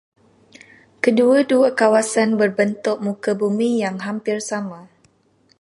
Kedua-dua kawasan berbentuk muka bumi yang hampir sama.